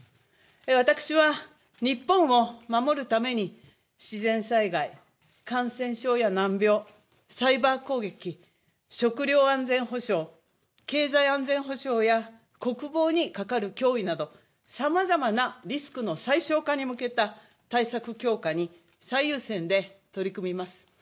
私は日本を守るために自然災害、感染症や難病、サイバー攻撃、食料安全保障、経済安全保障や国防にかかる脅威など、さまざまなリスクの最小化に向けた対策強化に最優先で取り組みます。